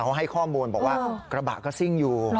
เขาให้ข้อมูลบอกว่ากระบะก็ซิ่งอยู่